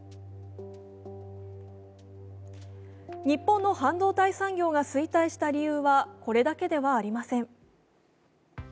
日本の半導体産業が衰退した理由はこれだけではありません。